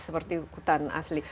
seperti hutan asli